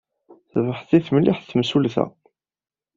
Tebḥet-it mliḥ temsulta.